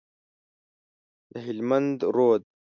د هلمند رود،